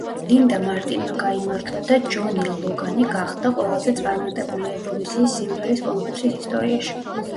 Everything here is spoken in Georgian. ლინდა მარტინმა გაიმარჯვა და ჯონი ლოგანი გახდა ყველაზე წარმატებული ევროვიზიის სიმღერის კონკურსის ისტორიაში.